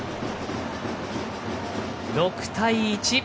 ６対１。